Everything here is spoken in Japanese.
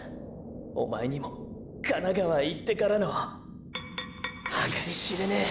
おまえにも神奈川いってからの計り知れねェ